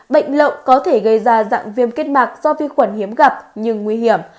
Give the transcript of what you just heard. bệnh lậu có thể gây ra dạng viêm kết mạc do vi khuẩn hiếm gặp nhưng nguy hiểm